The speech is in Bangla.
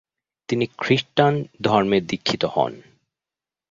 তিনি খ্রিস্টান ধর্মে দীক্ষিত হন।